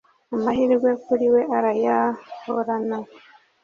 amahirwe kuriwe arayahorana.